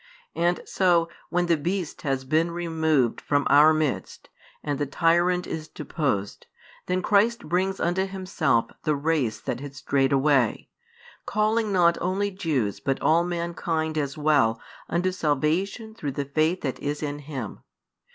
And so, when the beast has been removed from our midst, and the tyrant is deposed, then Christ brings unto Himself the race that had strayed away, calling not only Jews but all mankind as well unto salvation through the faith that is in Him.